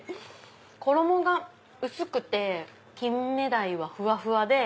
衣が薄くてキンメダイはふわふわで。